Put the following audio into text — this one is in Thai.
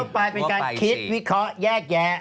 ไปเป็นการคิดวิเคราะห์แยกแยะ